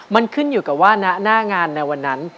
มันขึ้นอยู่กับว่าหน้างานในวันนั้น